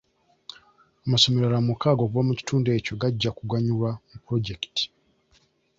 Amasomero amalala mukaaga okuva mu kitundu ekyo gajja kuganyulwa mu pulojekiti.